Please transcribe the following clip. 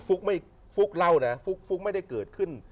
ไม่ฟุ๊กเล่านะฟุ๊กไม่ได้เกิดขึ้น